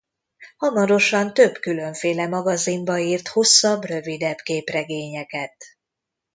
Hamarosan több különféle magazinba írt hosszabb-rövidebb képregényeket.